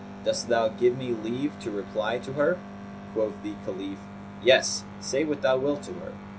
[FN#223] Dost thou give me leave to reply to her?" Quoth the Caliph, "Yes, say what thou wilt to her."